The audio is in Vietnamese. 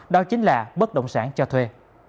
đó chính là bất động sản cho thuê